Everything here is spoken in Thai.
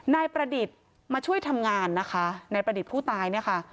นายประดิษฐ์มาช่วยทำงานนะคะนายประดิษฐ์ผู้ตายเนี่ยค่ะ